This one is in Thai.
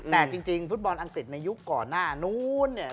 แต่จริงฟุตบอลอังกฤษในยุคก่อนหน้านู้นเนี่ย